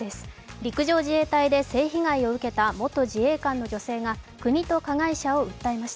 陸上自衛隊で性被害を受けた元自衛官の女性が国と加害者を訴えました。